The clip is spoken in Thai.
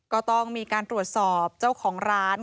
ก็ต้องมีการตรวจสอบเจ้าของร้าน